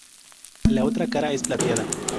La otra cara es plateada.